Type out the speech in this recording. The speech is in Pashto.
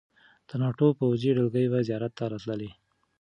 د ناټو پوځي دلګۍ به زیارت ته راتللې.